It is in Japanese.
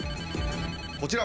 こちら。